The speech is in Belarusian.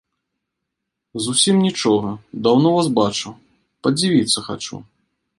Зусім нічога, даўно вас бачыў, падзівіцца хачу.